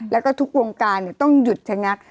แล้วก็ทุกวงการต้องหยุดชะงัก